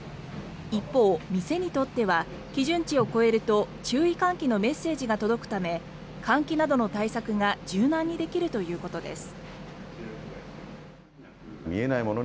一方、店にとっては基準値を超えると注意喚起のメッセージが届くため換気などの対策が柔軟にできるということです。